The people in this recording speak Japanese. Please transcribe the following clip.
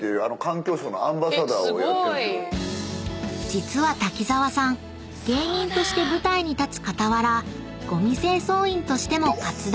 ［実は滝沢さん芸人として舞台に立つ傍らゴミ清掃員としても活動］